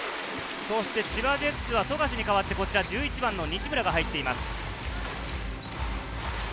千葉ジェッツは富樫に代わって１１番の西村が入っています。